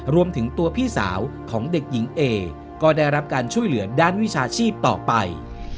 รวมถึงตัวพี่สาวของเด็กหญิงเอก็ได้รับการช่วยเหลือด้านวิชาชีพต่อไป